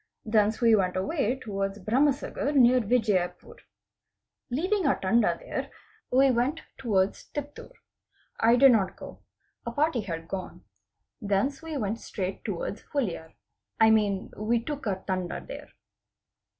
Thence we went away towards Bharamsagar near Vijiyapur. Leaving our Tanda there, we went towards Tiptur. I did | not go. A party had gone. Thence we went straight towards Huliyar—I mean we took our Tanda there.